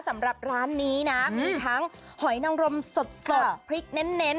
สำหรับร้านนี้นะมีทั้งหอยนังรมสดพริกเน้น